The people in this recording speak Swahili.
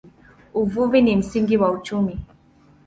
Uvuvi ni msingi wa uchumi.